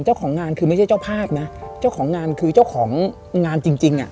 เจ้าของงานคือไม่ใช่เจ้าภาพนะเจ้าของงานคือเจ้าของงานจริงจริงอ่ะ